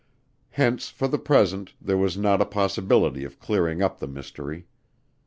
Hence for the present there was not a possibility of clearing up the mystery.